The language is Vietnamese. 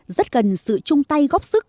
rất cần sự chung tay góp sức